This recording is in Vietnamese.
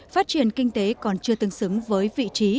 phát triển kinh tế còn chưa tương xứng với vị trí